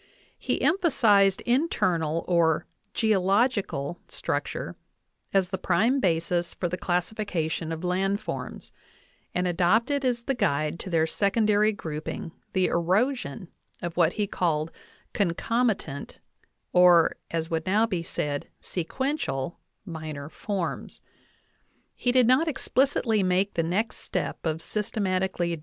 k He emphasized internal or "geological" structure as the prime basis for the classification of land forms, and adopted as the guide to their secondary grouping the erosion of what he called "concomitant," or, as would now be said, sequential, minor forms. \ He did not explicitly make the next step cf systematically~o!